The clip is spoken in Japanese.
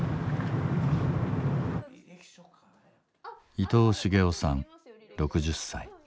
伊藤茂夫さん６０歳。